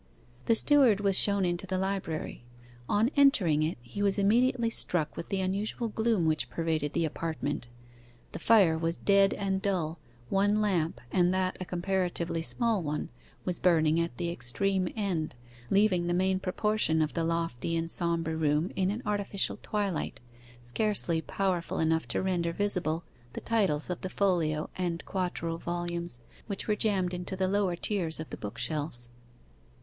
The steward was shown into the library. On entering it, he was immediately struck with the unusual gloom which pervaded the apartment. The fire was dead and dull, one lamp, and that a comparatively small one, was burning at the extreme end, leaving the main proportion of the lofty and sombre room in an artificial twilight, scarcely powerful enough to render visible the titles of the folio and quarto volumes which were jammed into the lower tiers of the bookshelves.